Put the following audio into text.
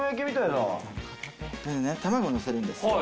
卵をのせるんですよ。